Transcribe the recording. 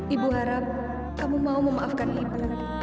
ibu harap kamu mau memaafkan ibu